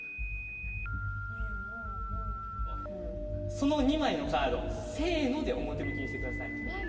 その２枚のカード「せの」で表向きにしてください。